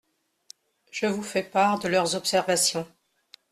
Je vous fais part de leurs observations.